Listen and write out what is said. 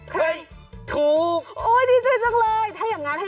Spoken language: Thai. เฮ้ยถูกโอ๊ยดีจนจังเลย